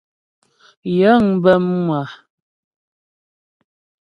Yəŋ bə mû a.